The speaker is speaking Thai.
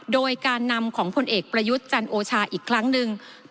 โดยการนำของผลเอกประยุทธ์จันโอชาอีกครั้งหนึ่ง